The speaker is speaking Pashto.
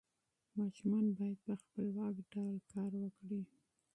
ماشومان باید په خپلواک ډول کار وکړي.